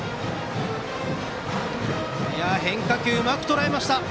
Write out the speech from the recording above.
変化球、うまくとらえました。